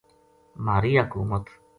مھاری حکومت